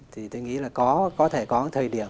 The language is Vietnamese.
thì tôi nghĩ là có thể có thời điểm